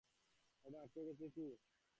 এটা আটকে গেছে -কী?